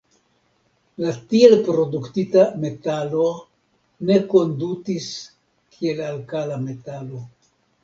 La tiel produktita metalo ne kondutis kiel alkala metalo.